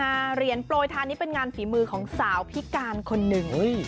เหรียญโปรยทานนี้เป็นงานฝีมือของสาวพิการคนหนึ่ง